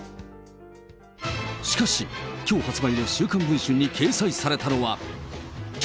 しかし、きょう発売の週刊文春に掲載されたのは。